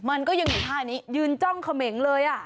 มันก็ยังอยู่ในภาคนนี้ยืนจ้องขมังเลย